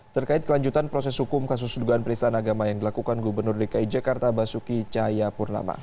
terkait kelanjutan proses hukum kasus dugaan perlisan agama yang dilakukan gubernur dki jakarta basuki cahayapurnama